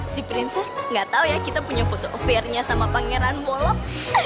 si prinses nggak tahu ya kita punya foto affair nya sama pangeran bolot